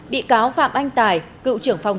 bị cáo phạm anh tài cựu trưởng phòng